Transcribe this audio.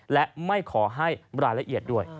และไม่ขอให้รายละเอียดด้วย